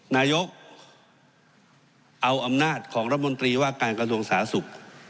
นายกเอาอำนาจของรัฐมนตรีว่าการกระทรวงสาธารณสุข